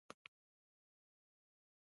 افغانستان په لعل باندې تکیه لري.